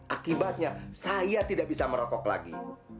akibatnya saya tidak bisa merokok lagi